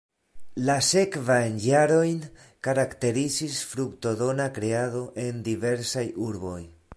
La sekvajn jarojn karakterizis fruktodona kreado en diversaj urboj.